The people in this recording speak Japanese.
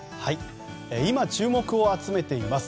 今、注目を集めています